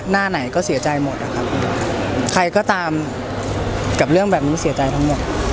น้องเขาตอบอะไรบ้าง